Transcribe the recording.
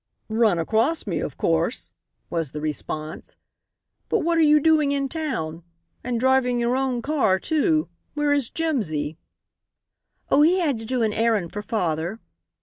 "Run across me, of course," was the response. "But what are you doing in town? And driving your own car, too. Where is Jimsy?" "Oh, he had to do an errand for father."